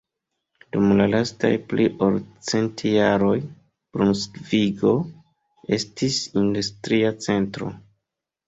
Dum la lastaj pli ol cent jaroj Brunsvigo estis industria centro.